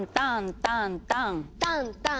タンタンタンタン。